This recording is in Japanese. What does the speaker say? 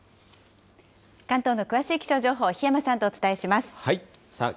関東の詳しい気象情報、檜山さんとお伝えします。